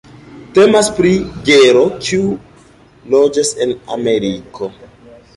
Temas pri genro kiu loĝas en Ameriko.